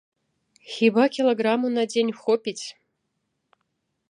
Хіба кілаграму на дзень хопіць?